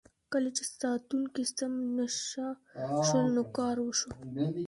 کله چې ساتونکي سم نشه شول نو کار وشو.